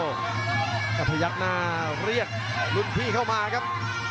ก็พยักหน้าเรียกรุ่นพี่เข้ามาครับ